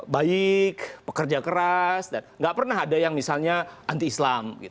baik pekerja keras dan nggak pernah ada yang misalnya anti islam